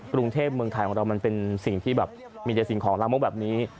กรุงเทพเมืองไทยของเรามันเป็นสิ่งที่แบบมีแต่สิ่งของล้างมกแบบนี้